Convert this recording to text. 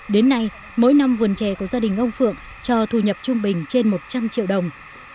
đến nay mỗi năm vườn trè của gia đình ông phượng cho thu nhập trung bình trên một trăm linh triệu đồng